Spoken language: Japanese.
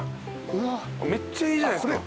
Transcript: めっちゃいいじゃないですか。